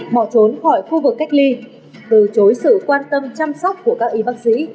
bỏ trốn khỏi khu vực cách ly từ chối sự quan tâm chăm sóc của các y bác sĩ